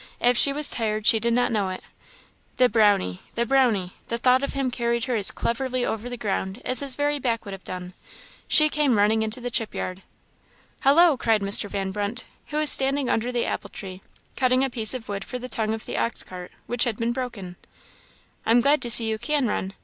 If she was tired, she did not know it. The Brownie! the Brownie! the thought of him carried her as cleverly over the ground as his very back would have done. She came running into the chip yard. "Hollo!" cried Mr. Van Brunt, who was standing under the apple tree, cutting a piece of wood for the tongue of the ox cart, which had been broken "I'm glad to see you can run.